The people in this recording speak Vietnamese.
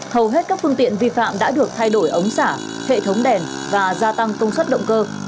hầu hết các phương tiện vi phạm đã được thay đổi ống xả hệ thống đèn và gia tăng công suất động cơ